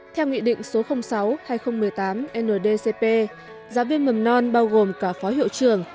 theo nghị định số sáu hai nghìn một mươi tám ndcp giáo viên mầm non bao gồm cả phó hiệu trường